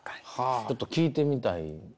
ちょっと聴いてみたい。